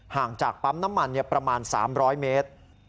จากปั๊มน้ำมันประมาณ๓๐๐เมตร